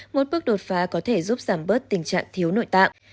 một bước đột phá có thể giúp giảm bớt tình trạng thiếu nội tạng